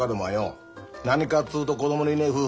何かっつうと子供のいねえ夫婦に聞くだろ？